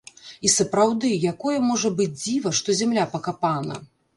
І сапраўды, якое можа быць дзіва, што зямля пакапана!